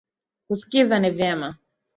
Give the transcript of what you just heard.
Kusikiza ni vyema.